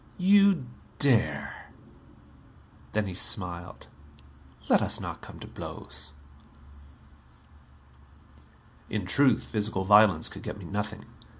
"You dare?" Then he smiled. "Let us not come to blows!" In truth, physical violence could get me nothing.